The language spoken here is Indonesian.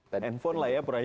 handphone lah ya prahnya